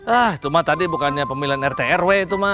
ah cuma tadi bukannya pemilihan rt rw itu mah